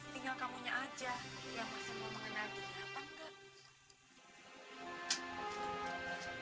tinggal kamu aja yang masih mau mengenalinya apa enggak